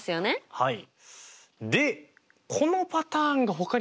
はい。